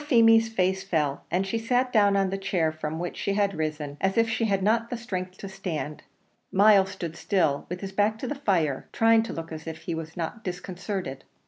Poor Feemy's face fell, and she sat down on the chair from which she had risen, as if she had not strength to stand. Myles stood still, with his back to the fire, trying to look as if he were not disconcerted.